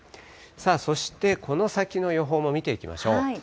そしてこの先の予報も見ていきましょう。